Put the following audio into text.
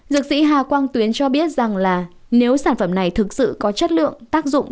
dược sĩ hà quang tuyến cho biết rằng là nếu sản phẩm này thực sự có chất lượng tác dụng